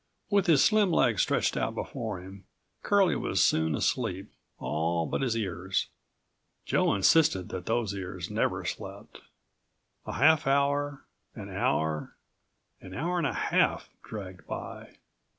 With his slim legs stretched out before him, Curlie was soon asleep, all but his ears. Joe insisted that those ears never slept. A half hour, an hour, an hour and a half dragged by.